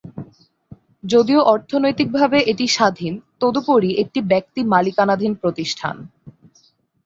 যদিও অর্থনৈতিকভাবে এটি স্বাধীন, তদুপরি একটি ব্যক্তি মালিকানাধীন প্রতিষ্ঠান।